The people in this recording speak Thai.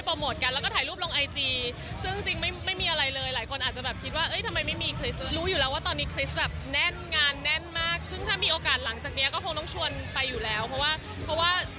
เพราะว่าอยากเจอกันอยู่แล้วค่ะ